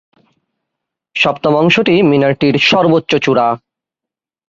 সপ্তম অংশটি মিনারটির সর্বোচ্চ চূড়া।